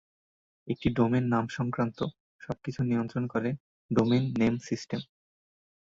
একটি ডোমেইন নাম সংক্রান্ত সব কিছু নিয়ন্ত্রণ করে ডোমেইন নেম সিস্টেম।